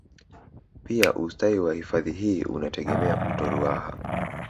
Pia ustawi wa hifadhi hii unategemea mto ruaha